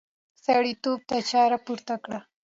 سړي تواب ته چاړه پورته کړه.